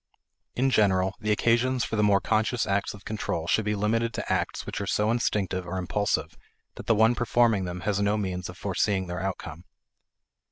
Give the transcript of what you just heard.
In general, the occasion for the more conscious acts of control should be limited to acts which are so instinctive or impulsive that the one performing them has no means of foreseeing their outcome.